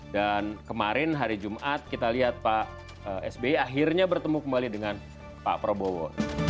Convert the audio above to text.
dan kemarin hari jumat kita lihat pak sbe akhirnya bertemu kembali dengan pak prabowo